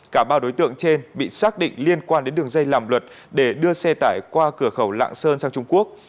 cả ba đối tượng trên bị xác định liên quan đến đường dây làm luật để đưa xe tải qua cửa khẩu lạng sơn sang trung quốc